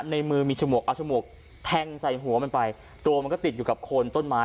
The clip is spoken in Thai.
ในมือมีฉมวกเอาฉมวกแทงใส่หัวมันไปตัวมันก็ติดอยู่กับโคนต้นไม้